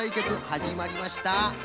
はじまりました。